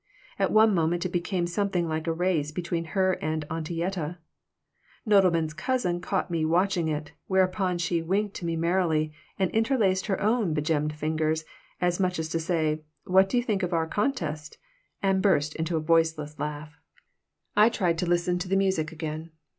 At one moment it became something like a race between her and Auntie Yetta. Nodelman's cousin caught me watching it, whereupon she winked to me merrily and interlaced her own begemmed fingers, as much as to say, "What do you think of our contest?" and burst into a voiceless laugh I tried to listen to the music again.